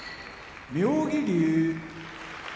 妙義龍